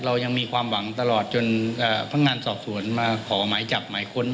เรายังมีความหวังตลอดจนพนักงานสอบสวนมาขอหมายจับหมายค้น